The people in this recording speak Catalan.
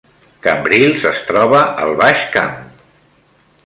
Cambrils es troba al Baix Camp